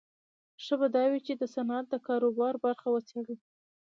ښه به دا وي چې د صنعت د کاروبار برخه وڅېړو